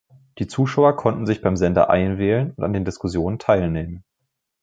Die Zuschauer konnten sich beim Sender einwählen und an den Diskussionen teilnehmen.